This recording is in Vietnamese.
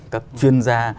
các chuyên gia